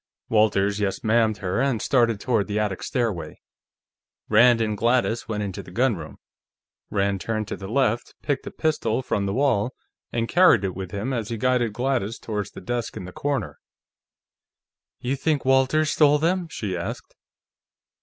Walters yes ma'am'd her and started toward the attic stairway. Rand and Gladys went into the gunroom; Rand turned to the left, picked a pistol from the wall, and carried it with him as he guided Gladys toward the desk in the corner. "You think Walters stole them?" she asked.